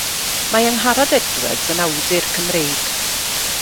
Mae Angharad Edwards yn awdur Cymreig.